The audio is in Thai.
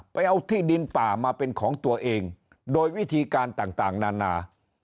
ไปเอาที่ดินป่ามาเป็นของตัวเองโดยวิธีการต่างนานา